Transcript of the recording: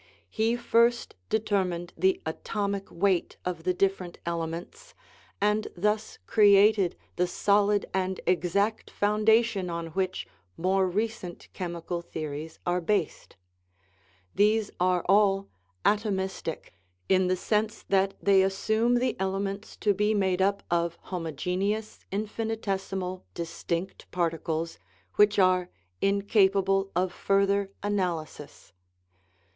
He first determined the atomic weight of the different elements, and thus created the solid and exact foundation on which more recent chemical theories are based; these are all atomistic, in the sense that they assume the elements to be made up of homogeneous, infinitesimal, distinct particles, which are incapable of further an alysis.